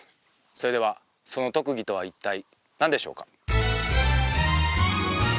それではその特技とは一体何でしょうか？